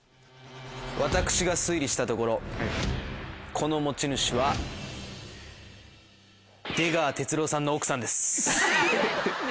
私が推理したところこの持ち主は出川哲朗さんの奥さんです。